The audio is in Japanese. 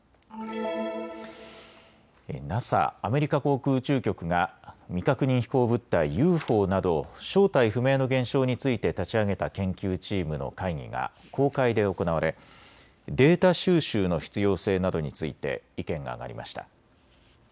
ＮＡＳＡ・アメリカ航空宇宙局が未確認飛行物体・ＵＦＯなど正体不明の現象について立ち上げた研究チームの会議が公開で行われ、データ収集の必要性などについて意見が上がりました。